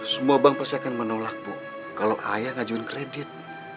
semua bank pasti akan menolak bu kalau ayah ngajuin kredit